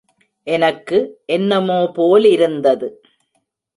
எனக்கு என்னமோ போலிருந்தது.